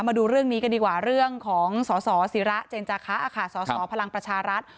มาดูเรื่องนี้กันดีกว่าเรื่องของสสิระเจนจาคะสสพลังประชารัฐ